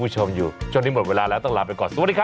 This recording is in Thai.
โปรดติดตามตอนต่อไป